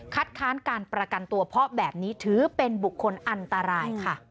ค้านการประกันตัวเพราะแบบนี้ถือเป็นบุคคลอันตรายค่ะ